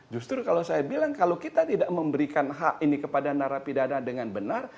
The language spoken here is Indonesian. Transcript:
justru kalau saya bilang kalau kita tidak memberikan hak ini kepada narapidana dengan benar